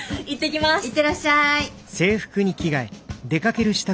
いってらっしゃい。